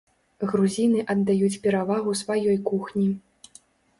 Грузіны аддаюць перавагу сваёй кухні.